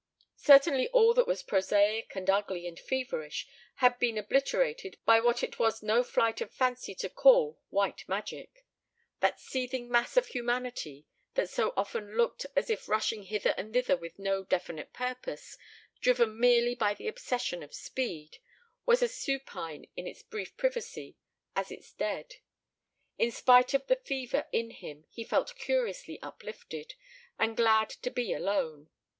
Certainly all that was prosaic and ugly and feverish had been obliterated by what it was no flight of fancy to call white magic. That seething mass of humanity, that so often looked as if rushing hither and thither with no definite purpose, driven merely by the obsession of speed, was as supine in its brief privacy as its dead. In spite of the fever in him he felt curiously uplifted and glad to be alone.